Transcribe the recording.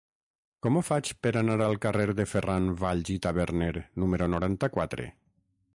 Com ho faig per anar al carrer de Ferran Valls i Taberner número noranta-quatre?